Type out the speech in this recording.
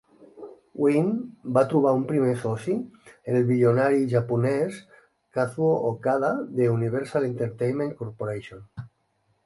Wynn va trobar un primer soci en el bilionari japonès Kazuo Okada de Universal Entertainment Corporation.